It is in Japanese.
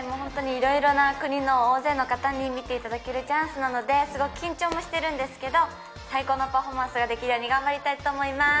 いろいろな国の大勢の方に見ていただけるチャンスなので、すごく緊張もしてるんですけど最高のパフォーマンスができるように頑張りたいと思います。